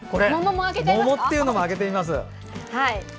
桃っていうのも開けてみます。